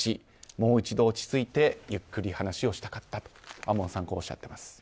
もう一度、落ち着いてゆっくり話をしたかったと亞門さんこうおっしゃっています。